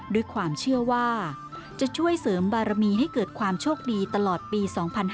ด้วยความเชื่อว่าจะช่วยเสริมบารมีให้เกิดความโชคดีตลอดปี๒๕๕๙